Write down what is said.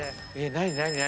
何？